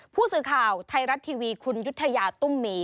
ผู้สื่อข่าวไทยรัฐทีวีคุณยุธยาตุ้มมี